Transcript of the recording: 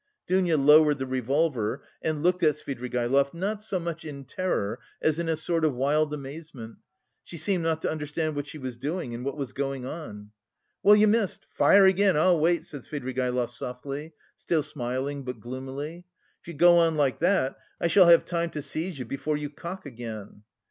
Dounia lowered the revolver and looked at Svidrigaïlov not so much in terror as in a sort of wild amazement. She seemed not to understand what she was doing and what was going on. "Well, you missed! Fire again, I'll wait," said Svidrigaïlov softly, still smiling, but gloomily. "If you go on like that, I shall have time to seize you before you cock again."